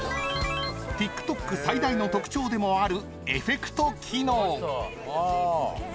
［ＴｉｋＴｏｋ最大の特徴でもあるエフェクト機能］